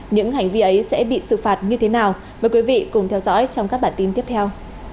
những hành vi ấy sẽ bị xử phạt như thế nào mời quý vị cùng theo dõi trong các bản tin tiếp theo